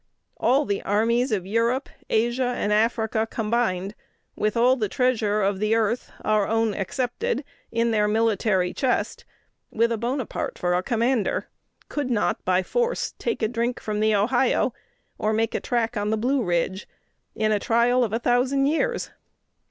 All the armies of Europe, Asia, and Africa combined, with all the treasure of the earth (our own excepted) in their military chest, with a Bonaparte for a commander, could not, by force, take a drink from the Ohio, or make a track on the Blue Ridge, in a trial of a thousand years!